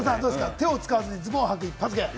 手を使わずにズボンをはく一発芸。